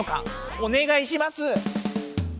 おねがいします！